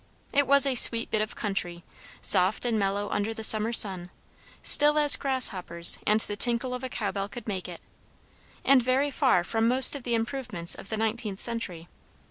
It was a sweet bit of country, soft and mellow under the summer sun; still as grasshoppers and the tinkle of a cowbell could make it; and very far from most of the improvements of the nineteenth century.